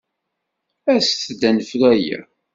Aset-d ad nefru aya!